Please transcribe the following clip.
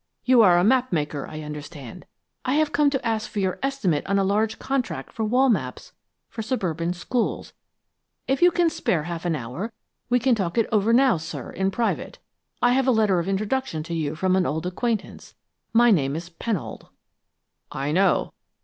'You are a map maker, I understand. I have come to ask for your estimate on a large contract for wall maps for suburban schools. If you can spare a half hour, we can talk it over now, sir, in private. I have a letter of introduction to you from an old acquaintance. My name is Pennold.' "'I know.'